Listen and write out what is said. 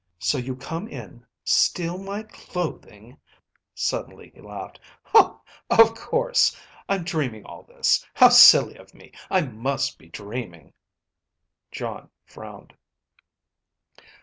"So you come in, steal my clothing" Suddenly he laughed. "Oh, of course. I'm dreaming all this. How silly of me. I must be dreaming." Jon frowned.